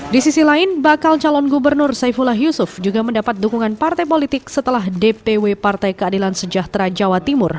di sisi lain bakal calon gubernur saifullah yusuf juga mendapat dukungan partai politik setelah dpw partai keadilan sejahtera jawa timur